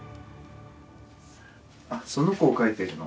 あその子を描いてるの？